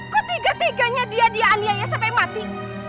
kok tiga tiganya dia dia aniaya sampai mati